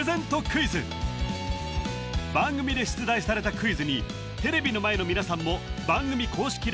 クイズ番組で出題されたクイズにテレビの前の皆さんも番組公式